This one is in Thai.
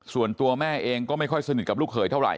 ส่วนตัวแม่เองก็ไม่ค่อยสนิทกับลูกเขยเท่าไห